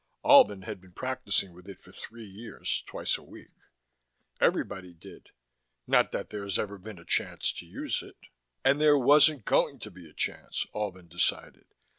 Albin had been practicing with it for three years, twice a week. Everybody did. Not that there's ever been a chance to use it. And there wasn't going to be a chance, Albin decided.